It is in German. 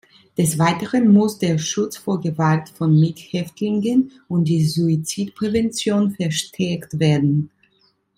Des Weiteren muss der Schutz vor Gewalt von Mithäftlingen und die Suizidprävention verstärkt werden.